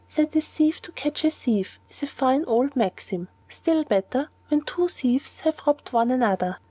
'Set a thief to catch a thief' is a fine old maxim; still better when the two thieves have robbed one another."